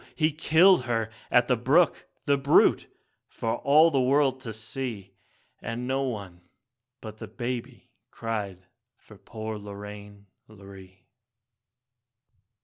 he killed her at the brook, the brute, for all the world to see, And no one but the baby cried for poor Lorraine, Lorree.